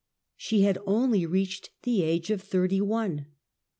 She had only reached the age of thirty one.